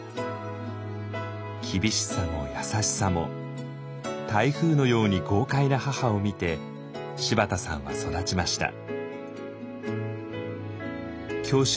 厳しさも優しさも台風のように豪快な母を見て柴田さんは育ちました。